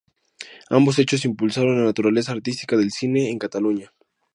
Ambos hechos impulsaron la naturaleza artística del cine en Cataluña.